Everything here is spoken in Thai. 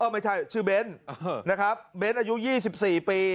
ไม่ใช่ชื่อเบ้นนะครับเบ้นอายุ๒๔ปี